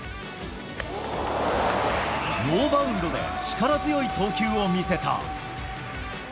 ノーバウンドで力強い投球を見せた。